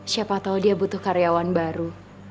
siapa tahu dia butuh karyawan baru